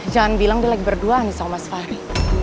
jangan bilang dia lagi berdua nih sama mas fahri